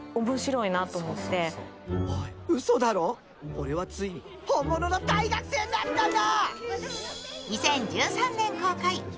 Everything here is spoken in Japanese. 俺はついに本物の大学生になったんだ！